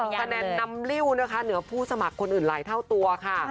คะแนนนำลิ้วนะคะเหนือผู้สมัครคนอื่นหลายเท่าตัวค่ะ